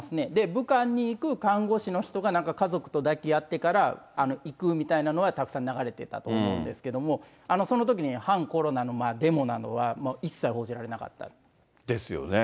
武漢に行く看護師の人がなんか家族と抱き合ってから行くみたいなのはたくさん流れてたと思うんですけれども、そのときに反コロナのデモなどは一切報じられなかった。ですよね。